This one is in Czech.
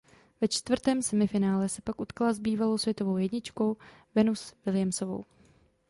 Ve čtvrtém semifinále se pak utkala s bývalou světovou jedničku Venus Williamsovou.